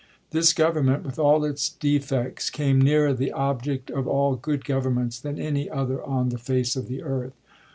This Government, with all its defects, came nearer the object of all good govern ments than any other on the face of the earth.